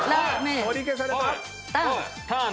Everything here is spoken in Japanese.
取り消された。